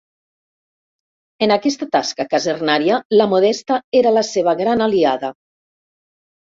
En aquesta tasca casernària la Modesta era la seva gran aliada.